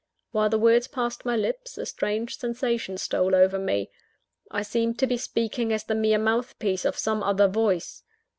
While the words passed my lips, a strange sensation stole over me: I seemed to be speaking as the mere mouthpiece of some other voice.